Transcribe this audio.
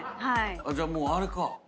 じゃあもうあれか。